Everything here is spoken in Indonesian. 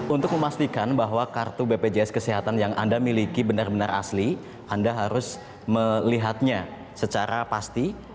untuk memastikan bahwa kartu bpjs kesehatan yang anda miliki benar benar asli anda harus melihatnya secara pasti